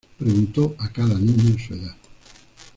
Preguntó a cada niño su edad.